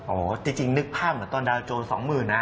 โอ้โหจริงนึกภาพเหมือนตอนดาวโจรสองหมื่นนะ